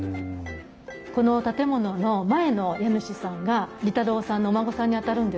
この建物の前の家主さんが利太郎さんのお孫さんにあたるんですけども